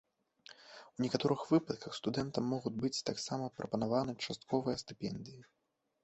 У некаторых выпадках студэнтам могуць быць таксама прапанаваны частковыя стыпендыі.